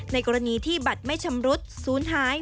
ในกรณีที่บัตรไม่ชำรุษซูนหาย